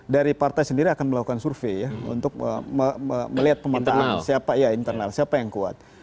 dari partai sendiri akan melakukan survei ya untuk melihat pemerintahan siapa yang kuat